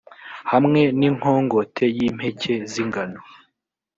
hamwe n’inkongote y’impeke z’ingano.